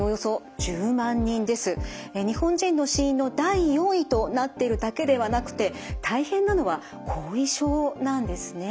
日本人の死因の第４位となってるだけではなくて大変なのは後遺症なんですね。